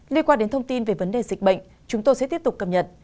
liên quan đến thông tin về vấn đề dịch bệnh chúng tôi sẽ tiếp tục cập nhật